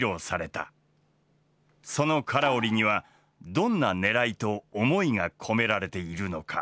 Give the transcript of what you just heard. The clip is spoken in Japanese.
その唐織にはどんなねらいと思いが込められているのか。